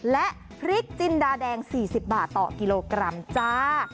และพริกจินดาแดง๔๐บาทต่อกิโลกรัมจ้า